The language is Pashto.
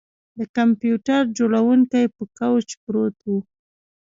د کمپیوټر جوړونکی په کوچ پروت و